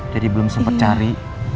jadi belum sempet cari